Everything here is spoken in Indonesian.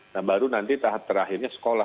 nah baru nanti tahap terakhirnya sekolah